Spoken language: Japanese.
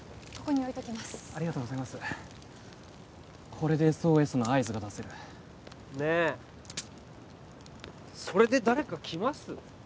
これでＳＯＳの合図が出せるねえそれで誰か来ます？